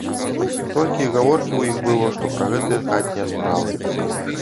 Толькі і гаворкі ў іх было што пра гэтыя хатнія справы.